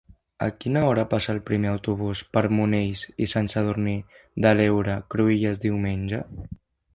A quina hora passa el primer autobús per Monells i Sant Sadurní de l'Heura Cruïlles diumenge?